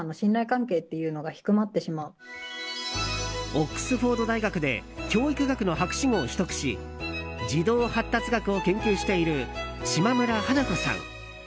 オックスフォード大学で教育学の博士号を取得し児童発達学を研究している島村華子さん。